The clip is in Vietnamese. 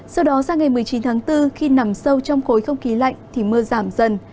sau đó sang ngày một mươi chín tháng bốn khi nằm sâu trong khối không khí lạnh thì mưa giảm dần